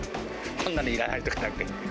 こんなのいらないとかって言われて。